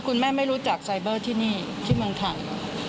คุณแม่ไม่รู้จักไซเบอร์ที่นี่ที่เมืองไทย